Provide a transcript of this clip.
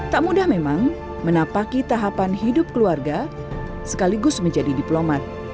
tak mudah memang menapaki tahapan hidup keluarga sekaligus menjadi diplomat